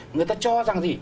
người ta cho rằng gì